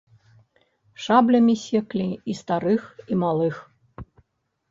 Шаблямі секлі і старых, і малых.